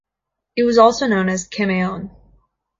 It was also known as "Kemaon".